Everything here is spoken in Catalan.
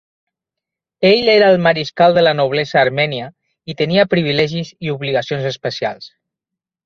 Ell era el mariscal de la noblesa armènia i tenia privilegis i obligacions especials.